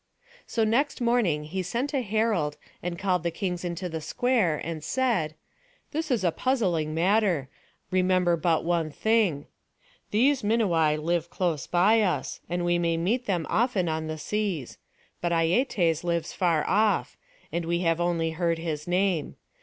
So next morning he sent a herald, and called the kings into the square, and said: "This is a puzzling matter; remember but one thing. These Minuai live close by us, and we may meet them often on the seas; but Aietes lives afar off, and we have only heard his name.